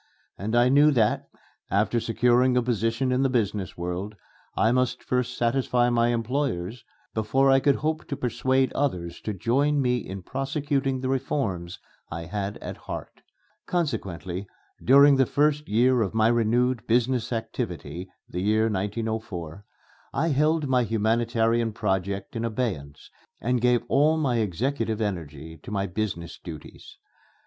And I knew that, after securing a position in the business world, I must first satisfy my employers before I could hope to persuade others to join me in prosecuting the reforms I had at heart. Consequently, during the first year of my renewed business activity (the year 1904), I held my humanitarian project in abeyance and gave all my executive energy to my business duties.